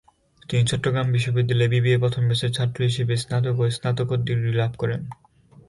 তিনি চট্টগ্রাম বিশ্ববিদ্যালয়ের বিবিএ প্রথম ব্যাচের ছাত্র হিসেবে স্নাতক ও স্নাতকোত্তর ডিগ্রি লাভ করেন।